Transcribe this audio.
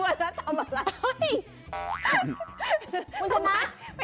รุมเวิร์นแล้วทำอะไร